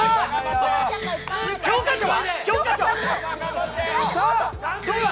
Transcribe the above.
教科書は？